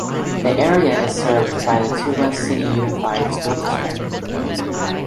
The area is served by the Tuba City Unified School District.